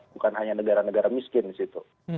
bukan hanya negara negara miskin disitu